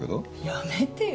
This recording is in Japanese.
やめてよ。